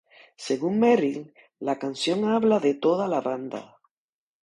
Según Merrill, la canción habla de toda la banda.